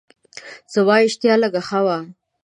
زما اشتها لږه ښه وه.